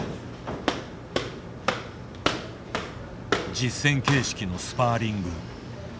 実戦形式のスパーリング。